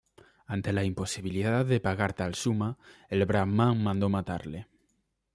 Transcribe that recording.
Ante la imposibilidad de pagar tal suma, el brahmán mandó matarle.